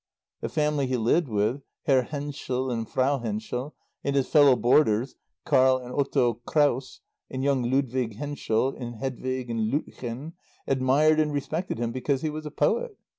The family he lived with, Herr Henschel and Frau Henschel, and his fellow boarders, Carl and Otto Kraus, and young Ludwig Henschel, and Hedwig and Löttchen admired and respected him because he was a poet.